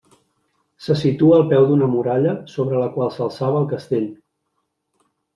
Se situa al peu d'una muralla sobre la qual s'alçava el Castell.